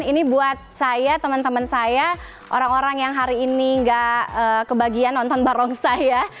ini buat saya teman teman saya orang orang yang hari ini nggak kebagian nonton barongsai ya